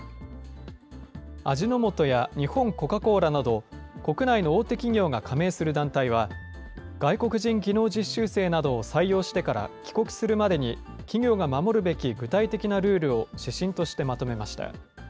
味の素や日本コカ・コーラなど、国内の大手企業が加盟する団体は、外国人技能実習生などを採用してから帰国するまでに、企業が守るべき具体的なルールを指針としてまとめました。